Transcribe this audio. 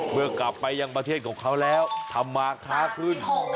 เมื่อกลับไปยังประเทศของเขาแล้วทำมาค้าขึ้น